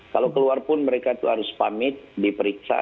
kalau keluar pun mereka itu harus pamit diperiksa